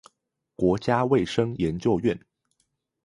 國家衛生研究院